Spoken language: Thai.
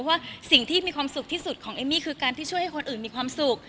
ว่าสิ่งที่มีความสุขที่สุดของเอมมี่คือการที่ช่วยให้คนอื่นมีความสุข